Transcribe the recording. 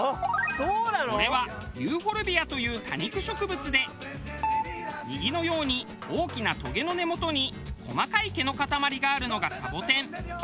これはユーフォルビアという多肉植物で右のように大きなトゲの根元に細かい毛のかたまりがあるのがサボテン。